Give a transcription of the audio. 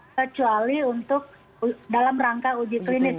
kecuali untuk dalam rangka uji klinis